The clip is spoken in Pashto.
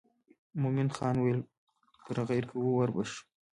مومن خان وویل پر غیر کوو ور به شو.